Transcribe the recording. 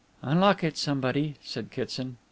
"Unlock it somebody," said Kitson.